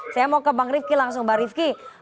saya mau ke bang rifki langsung bang rifki